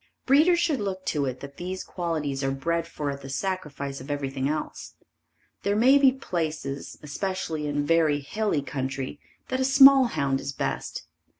Breeders should look to it that these qualities are bred for at the sacrifice of everything else. There may be places, especially in very hilly country, that a small hound is best.